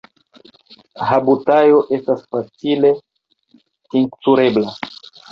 Habutajo estas facile tinkturebla.